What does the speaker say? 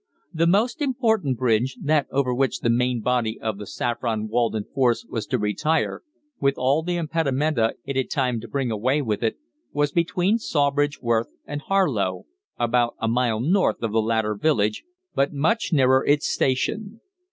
The most important bridge, that over which the main body of the Saffron Walden force was to retire, with all the impedimenta it had had time to bring away with it, was between Sawbridgeworth and Harlow, about a mile north of the latter village, but much nearer its station.